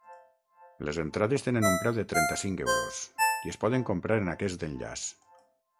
Les entrades tenen un preu de trenta-cinc euros, i es poden comprar en aquest enllaç.